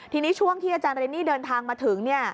ทีนี้ช่วงที่อาจารย์เรนนี่เดินทางมาถึง